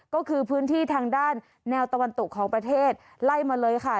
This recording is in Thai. ก็คือพื้นที่ทางด้านแนวตะวันตกของประเทศไล่มาเลยค่ะ